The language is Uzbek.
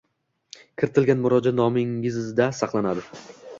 Kiritilgan murojaat nomingizda saqlanadi.